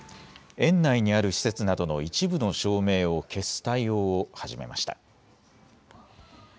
園内にある施設などの一部の照明を消す対応を始めました。